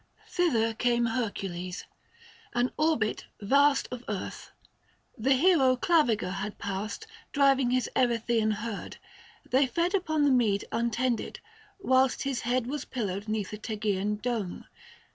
Thither came Hercules : an orbit vast Of earth, the hero Claviger had passed, 575 Driving his Erythsean herd : they fed Upon the mead untended, — whilst his head Was pillowed 'neath a Tegeaean dome.